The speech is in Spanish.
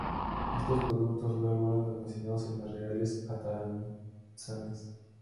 Estos productos luego eran almacenados en las Reales Atarazanas.